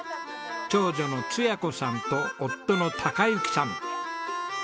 長女の彩子さんと夫の貴之さん。